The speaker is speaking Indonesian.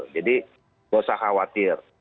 jadi nggak usah khawatir